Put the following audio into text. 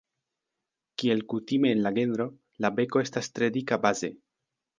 Kiel kutime en la genro, la beko estas tre dika baze.